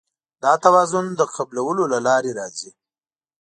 دا توازن د قبلولو له لارې راځي.